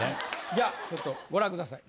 じゃあちょっとご覧ください。